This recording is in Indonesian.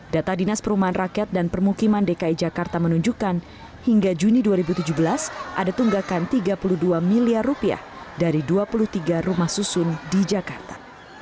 data dinas perumahan rakyat dan permukiman dki jakarta menunjukkan hingga juni dua ribu tujuh belas ada tunggakan tiga puluh dua miliar rupiah dari dua puluh tiga rumah susun di jakarta